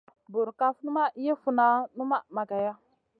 Burkaf numa yi funa numa mageya.